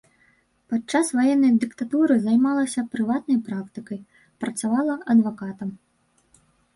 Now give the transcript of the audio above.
Падчас ваеннай дыктатуры займалася прыватнай практыкай, працавала адвакатам.